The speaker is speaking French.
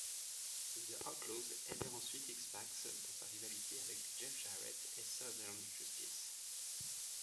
The Outlaws aidèrent ensuite X-Pac dans sa rivalité avec Jeff Jarrett et Southern Justice.